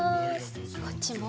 こっちも。